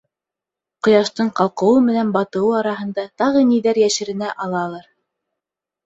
Ҡояштың ҡалҡыуы менән батыуы араһында тағы ниҙәр йәшеренә алалыр...